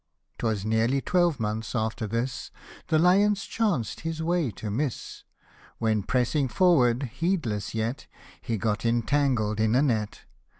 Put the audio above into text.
79 'Twas nearly twelve months after this, The lion chanced his way to miss ; When pressing forward, heedless yet, He got entangled in a net.